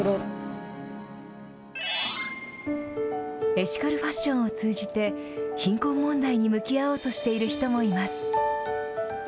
エシカルファッションを通じて貧困問題に向き合おうとしている人もいます。